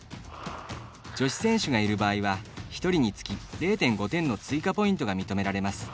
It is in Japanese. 女子選手がいる場合は１人につき０．５点の追加ポイントが認められます。